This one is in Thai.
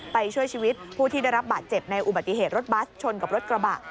ช่วยชีวิตผู้ที่ได้รับบาดเจ็บในอุบัติเหตุรถบัสชนกับรถกระบะ